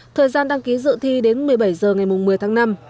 thời gian đăng ký dự thi đến một mươi bảy h ngày một mươi tháng năm